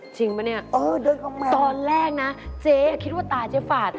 จริงป่ะนี่ตอนแรกนะเจ๊คิดว่าตาเจฝาด